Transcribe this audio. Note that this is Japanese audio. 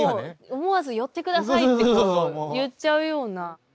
思わず寄ってくださいって言っちゃうような。